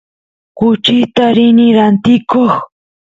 kuchista rini rantikoq